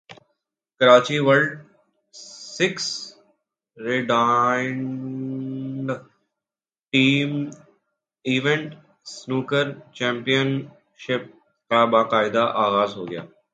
Karachi world six red and team event snooker championship کا باقاعدہ اغاز ہوگیا